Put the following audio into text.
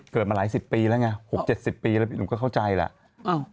เกิดมาหลายสิบปีแล้วไงหกเจ็ดสิบปีแล้วหนูก็เข้าใจแล้ว